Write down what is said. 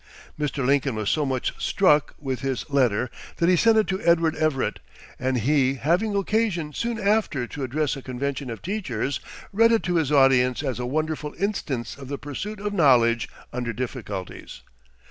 Mr. Lincoln was so much struck with his letter that he sent it to Edward Everett, and he having occasion soon after to address a convention of teachers, read it to his audience as a wonderful instance of the pursuit of knowledge under difficulties.